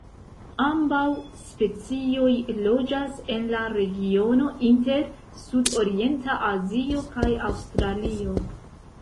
Ambaŭ specioj loĝas en la regiono inter sudorienta Azio kaj Aŭstralio.